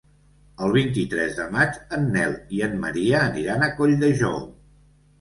El vint-i-tres de maig en Nel i en Maria aniran a Colldejou.